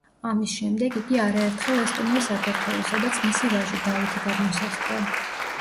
ამის შემდეგ იგი არაერთხელ ესტუმრა საქართველოს, სადაც მისი ვაჟი, დავითი, გადმოსახლდა.